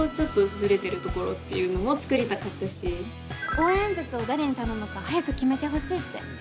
応援演説を誰に頼むか早く決めてほしいって。